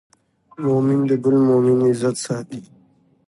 مؤمن د بل مؤمن عزت ساتي.